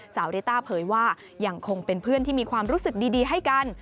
เรต้าเผยว่ายังคงเป็นเพื่อนที่มีความรู้สึกดีให้กัน